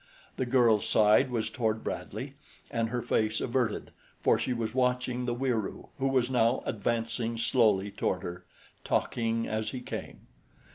The girl's side was toward Bradley, and her face averted, for she was watching the Wieroo, who was now advancing slowly toward her, talking as he came.